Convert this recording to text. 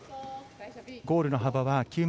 ゴールの幅は９ｍ。